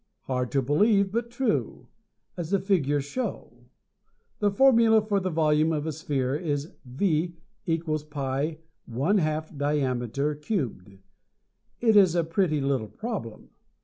Hard to believe, but true, as the figures show. The formula for the volume of a sphere is V equals pi 1/2 diameter cubed. It is a pretty little problem.